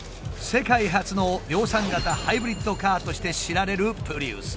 世界初の量産型ハイブリッドカーとして知られるプリウス。